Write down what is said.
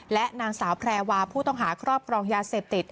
และนางสาวแพรวาผู้ต้องหาครอบครองยาเสพติด